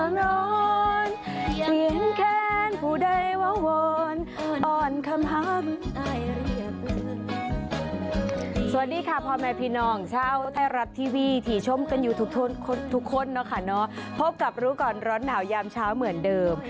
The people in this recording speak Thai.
สวัสดีค่ะพ่อแม่พี่น้องชาวไทยรัฐทีวีที่ชมกันอยู่ทุกคนนะคะพบกับรู้ก่อนร้อนหนาวยามเช้าเหมือนเดิม